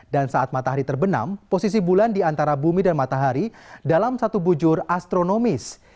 dan saat matahari terbenam posisi bulan di antara bumi dan matahari dalam satu bujur astronomis